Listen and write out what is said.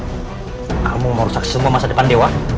kamu mau rusak semua masa depan dewa